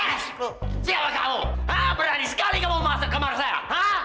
eh siapa kamu berani sekali kamu masuk kamar saya hah